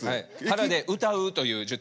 腹で歌うという術。